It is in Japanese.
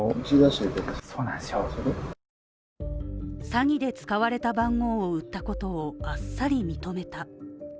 詐欺で使われた番号を売ったことをあっさり認めた。